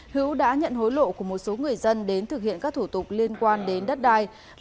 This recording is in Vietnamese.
hữu đã nhận hối lộ của một số người dân đến thực hiện các thủ tục liên quan đến đất đai